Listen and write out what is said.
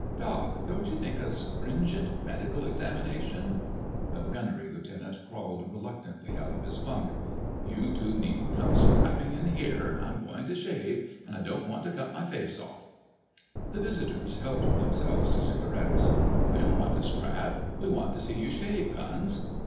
Doc., don't you think a stringent medical examination——" The Gunnery Lieutenant crawled reluctantly out of his bunk. "You two needn't come scrapping in here. I'm going to shave, and I don't want to cut my face off!" The visitors helped themselves to cigarettes. "We don't want to scrap: we want to see you shave, Guns.